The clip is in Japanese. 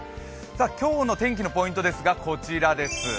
今日の天気のポイントですがこちらです。